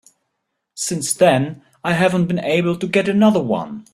Since then I haven't been able to get another one.